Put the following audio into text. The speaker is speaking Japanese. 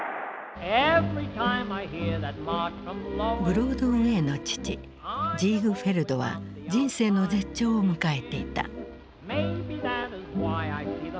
ブロードウェイの父ジーグフェルドは人生の絶頂を迎えていた。